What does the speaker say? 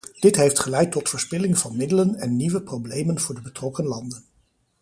Dit heeft geleid tot verspilling van middelen en nieuwe problemen voor de betrokken landen.